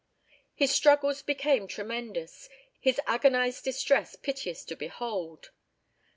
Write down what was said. His struggles became tremendous, his agonised distress piteous to behold.